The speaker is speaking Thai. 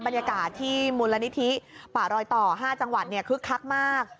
บรรยากาศที่มูลนิธิป่ารอยต่อ๕จังหวัดคึกคักมาก